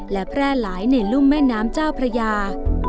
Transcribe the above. และแพร่หลายในรุ่มแม่น้ำเจ้าพระยา